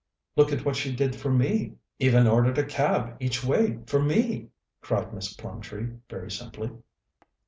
"Look at what she did for me even ordered a cab each way for me!" cried Miss Plumtree, very simply.